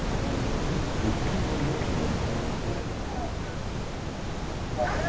発端となったのは。